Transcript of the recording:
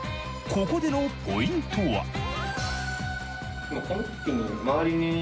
ここでのポイントは。